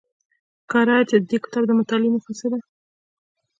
ښکاره ده چې د دې کتاب د مطالعې موخه څه ده